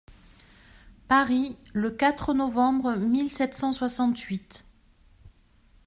Paris, le quatre novembre mille sept cent soixante-huit.